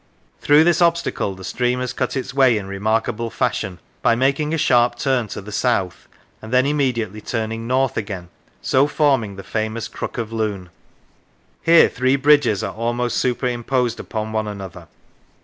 Through this obstacle the stream has cut its way in remarkable fashion, by making a sharp turn to the south, and then immediately turning north again, so forming the famous Crook of Lune. Here three bridges are almost superimposed upon one another.